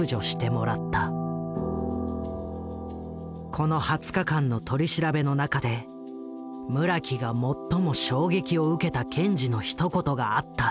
この２０日間の取り調べの中で村木が最も衝撃を受けた検事のひと言があった。